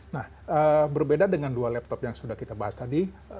nah berbeda dengan dua laptop yang sudah kita bahas tadi